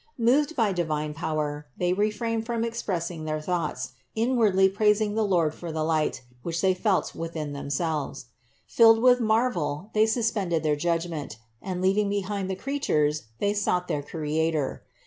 Moved by divine power, they refrained from expressing their thoughts, inwardly prais ing the Lord for the light, which they felt within them selves. Filled with marvel they suspended their judg ment, and leaving behind the creatures, they sought their Creator.